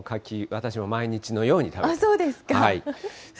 柿、私も毎日のように食べています。